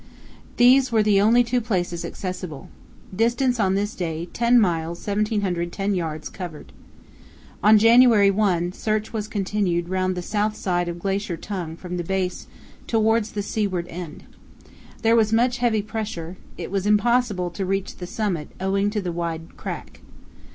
These were the only two places accessible. Distance on this day, 10 miles 1710 yds covered. On January 1 search was continued round the south side of Glacier Tongue from the base towards the seaward end. There was much heavy pressure; it was impossible to reach the summit owing to the wide crack.